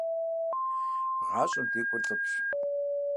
ГъашӀэм декӀур лӀыфӀщ.